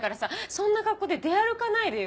そんな格好で出歩かないでよ。